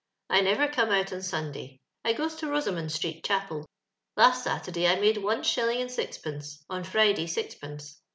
I never come out on Sunday; I goes to Bosomon street Chapel. Last Saturday I made one aliining and six pence; on Friday, sixpence.